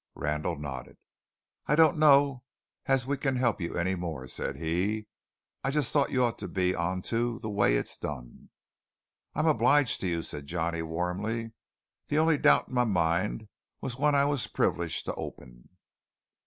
Randall nodded. "I don't know as we can help you any more," said he. "I just thought you ought to be on to the way it's done." "I'm obliged to you," said Johnny warmly. "The only doubt in my mind was when I was privileged to open."